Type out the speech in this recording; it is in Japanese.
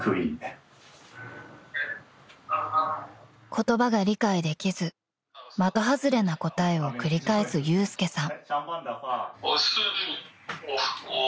［言葉が理解できず的外れな答えを繰り返す祐介さん］